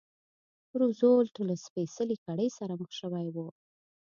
روزولټ له سپېڅلې کړۍ سره مخ شوی و.